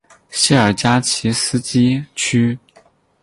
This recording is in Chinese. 谢尔加奇斯基区。